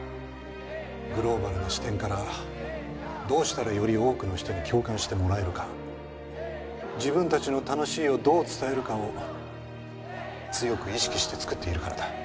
グローバルな視点からどうしたらより多くの人に共感してもらえるか自分たちの「楽しい」をどう伝えるかを強く意識して作っているからだ。